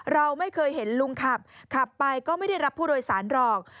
เราไม่เคยเห็นลุงขับขับไปก็ไม่ได้รับผู้โดยสารหรอก